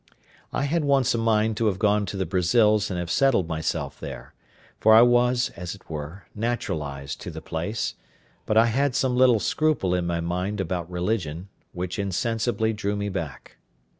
I had once a mind to have gone to the Brazils and have settled myself there, for I was, as it were, naturalised to the place; but I had some little scruple in my mind about religion, which insensibly drew me back.